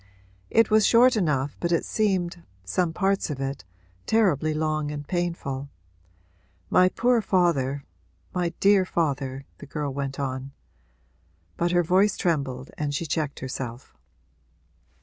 'It was short enough but it seemed some parts of it terribly long and painful. My poor father my dear father,' the girl went on. But her voice trembled and she checked herself.